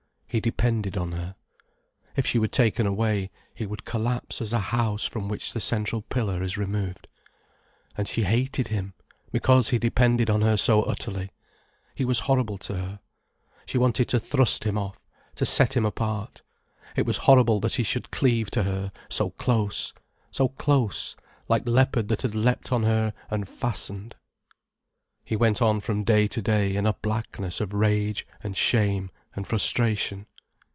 He depended on her. If she were taken away, he would collapse as a house from which the central pillar is removed. And she hated him, because he depended on her so utterly. He was horrible to her. She wanted to thrust him off, to set him apart. It was horrible that he should cleave to her, so close, so close, like leopard that had leapt on her, and fastened. He went on from day to day in a blackness of rage and shame and frustration.